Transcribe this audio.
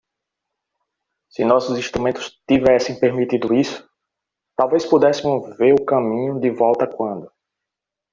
Se nossos instrumentos tivessem permitido isso, talvez pudéssemos ver o caminho de volta quando.